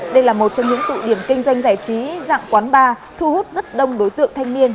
đây là một trong những tụ điểm kinh doanh giải trí dạng quán bar thu hút rất đông đối tượng thanh niên